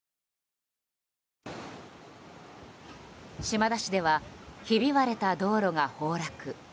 島田市ではひび割れた道路が崩落。